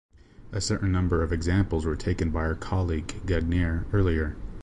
A certain number of examples were taken by our colleague Gagnaire earlier.